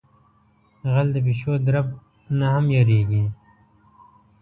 غل د پیشو درب نہ ھم یریگی.